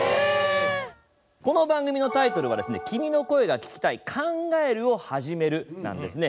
この番組のタイトルは「君の声が聴きたい考えるをはじめる」なんですね。